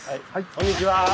こんにちは！